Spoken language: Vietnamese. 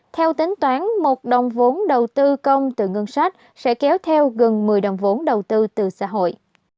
theo tính toán một đồng vốn đầu tư công từ ngân sách sẽ kéo theo gần một mươi đồng vốn đầu tư từ xã hội